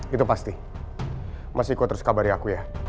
itu pasti masih ikut terus kabarin aku ya